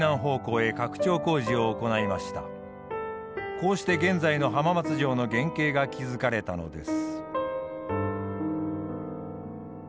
こうして現在の浜松城の原形が築かれたのです。